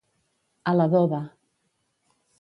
A la doba.